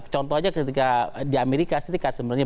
contoh aja ketika di amerika serikat sebenarnya